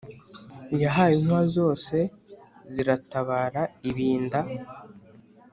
yahawe inka zose ziratabara ibinda.